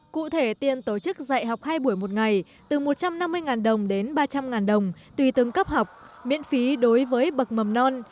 cụ thể tiền tổ chức dạy học hai buổi một ngày từ một trăm năm mươi đồng đến ba trăm linh đồng tùy từng cấp học miễn phí đối với bậc mầm non